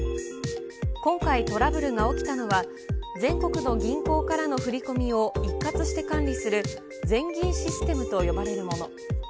今回、トラブルが起きたのは、全国の銀行からの振り込みを一括して管理する全銀システムと呼ばれるもの。